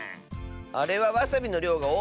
あれはわさびのりょうがおおすぎたの。